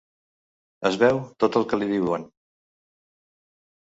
Es beu tot el que li diuen.